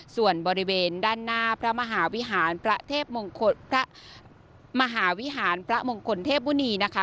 ส่วนบริเวณด้านหน้าพระมหาวิหารพระมงคลเทพบุณีนะคะ